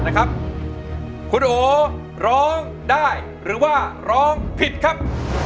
คุณโอร้องได้หรือว่าร้องผิดครับ